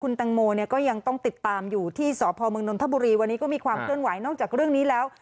แตงโมเนี่ยก็ยังต้องติดตามอยู่ที่สพมนนทบุรีวันนี้ก็มีความเคลื่อนไหวนอกจากเรื่องนี้แล้ว